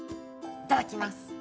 いただきます。